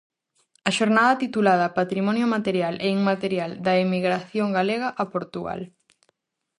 A xornada, titulada "Patrimonio material e inmaterial da emigración galega a Portugal".